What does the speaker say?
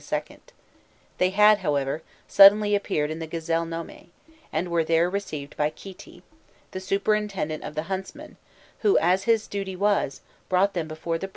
* they had, however, suddenly appeared in the Gazelle nome, and were there received by Khîti, the superintendent of the huntsmen, who, as his duty was, brought them before the prince Khnûmhotpû.